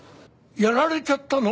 やられちゃったの？